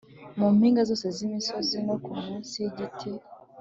mu mpinga zose z imisozi no munsi y igiti